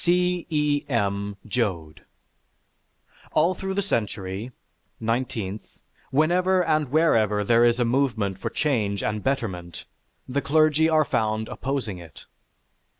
C. E. M. JOAD All through the century (nineteenth), whenever and wherever there is a movement for change and betterment, the clergy are found opposing it.